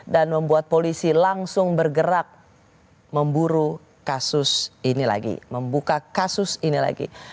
dan membuat polisi langsung bergerak memburu kasus ini lagi membuka kasus ini lagi